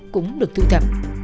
cũng được thu thập